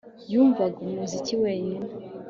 Yumvaga umuziki wenyine